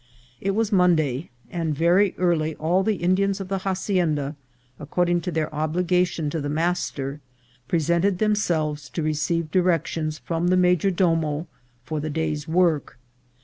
It was Mondayf and very early all the Indians of the hacienda, according to their obligation to the master, presented themselves to receive directions from the ma jor domo for the day's work.